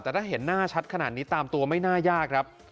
แต่ถ้าเห็นหน้าชัดขนาดนี้ตามตัวไม่น่ายากครับ